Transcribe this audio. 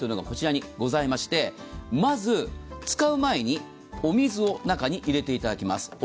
こちらにございまして、まず、使う前にお水を中に入れていただきます。